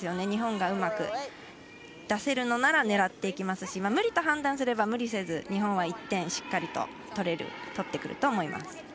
日本がうまく出せるのなら狙っていきますし無理と判断すれば無理せず日本は１点しっかりと取ってくると思います。